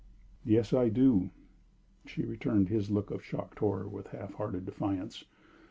"Yes, I do." She returned his look of shocked horror with half hearted defiance.